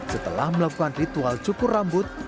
setelah melakukan ritual cukur rambut